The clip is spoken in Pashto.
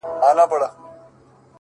خوبيا هم ستا خبري پټي ساتي!